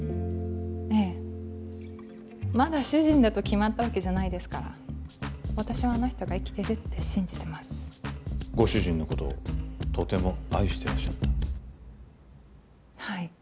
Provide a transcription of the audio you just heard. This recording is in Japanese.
ええまだ主人だと決まったわけじゃないですから私はあの人が生きてるって信じてますご主人のことをとても愛してらっしゃったはい